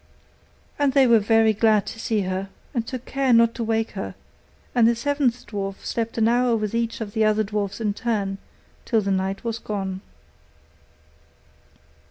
And they were very glad to see her, and took care not to wake her; and the seventh dwarf slept an hour with each of the other dwarfs in turn, till the night was gone.